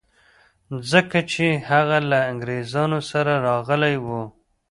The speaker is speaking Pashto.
ځکه چي هغه له انګریزانو سره راغلی و.